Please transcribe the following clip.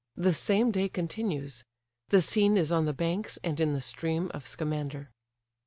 The same day continues. The scene is on the banks and in the stream of Scamander.